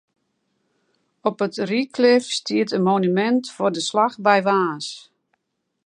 Op it Reaklif stiet in monumint foar de slach by Warns.